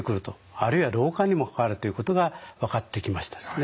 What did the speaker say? あるいは老化にも関わるということが分かってきましたですね。